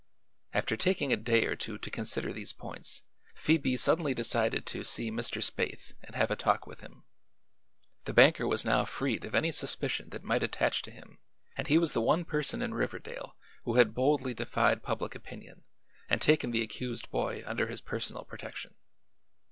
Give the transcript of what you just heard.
After taking a day or two to consider these points Phoebe suddenly decided to see Mr. Spaythe and have a talk with him. The banker was now freed of any suspicion that might attach to him and he was the one person in Riverdale who had boldly defied public opinion and taken the accused boy under his personal protection.